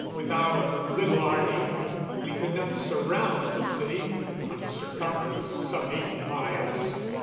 With our little army we could not surround the city on a circumference of some eighty miles.